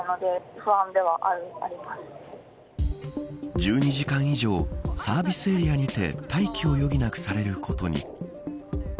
１２時間以上サービスエリアにて待機を余儀なくされることに。